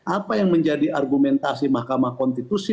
apa yang menjadi argumentasi mahkamah konstitusi